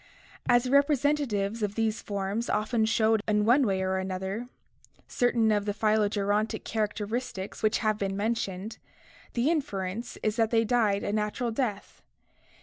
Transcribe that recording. As the representa tives of these forms often showed in one way or another certain of the phylogerontic characteristics which have been mentioned, the inference is that they died a natural death.